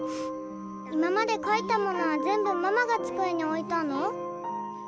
今までかいたものはぜんぶママがつくえにおいたの？